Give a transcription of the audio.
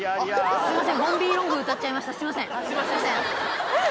すいません